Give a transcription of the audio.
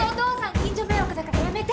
近所迷惑だからやめて！